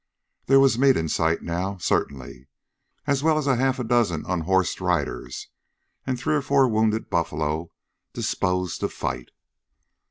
There was meat in sight now, certainly as well as a half dozen unhorsed riders and three or four wounded buffalo disposed to fight.